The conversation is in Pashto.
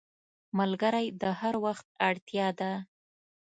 ملګری د هر وخت اړتیا ده